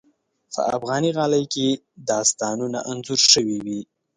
په افغاني غالۍ کې داستانونه انځور شوي وي.